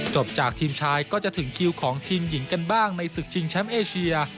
จบจากทีมชายก็จะถึงคิวของทีมหญิงกันบ้างในศึกชิงแชมป์เอเชีย